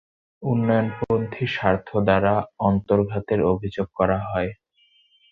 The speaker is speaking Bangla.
উন্নয়নপন্থী স্বার্থ দ্বারা অন্তর্ঘাতের অভিযোগ করা হয়।